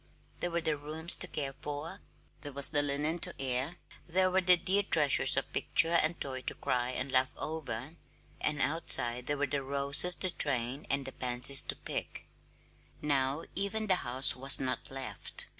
There were the rooms to care for, there was the linen to air, there were the dear treasures of picture and toy to cry and laugh over; and outside there were the roses to train and the pansies to pick. Now, even the house was not left.